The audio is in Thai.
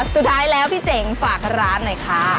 สุดท้ายแล้วพี่เจ๋งฝากร้านหน่อยค่ะ